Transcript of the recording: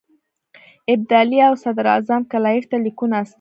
ابدالي او صدراعظم کلایف ته لیکونه استولي.